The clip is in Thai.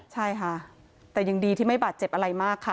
ใช่ค่ะแต่ยังดีที่ไม่บาดเจ็บอะไรมากค่ะ